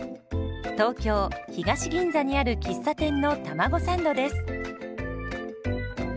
東京・東銀座にある喫茶店のたまごサンドです。